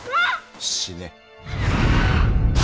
死ね。